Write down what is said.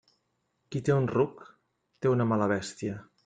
Qui té un ruc, té una mala bèstia.